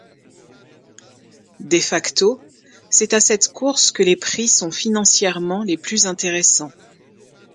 De facto, c'est à cette course que les prix sont financièrement les plus intéressants.